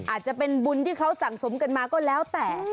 อาจจะเป็นบุญที่เขาสั่งสมกันมาก็แล้วแต่